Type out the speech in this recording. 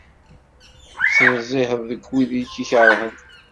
Ttnezziheɣ deg wid i y-ikeṛhen.